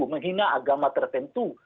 menghina agama tertentu